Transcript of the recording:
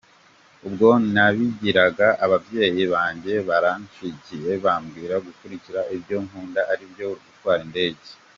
Ubwo nabibwiraga ababyeyi banjye baranshyigikiye bambwira gukurikira ibyo nkunda ari byo gutwara indege.